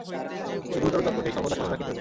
এই গুরুতর তত্ত্বটি সর্বদা স্মরণ রাখিতে হইবে।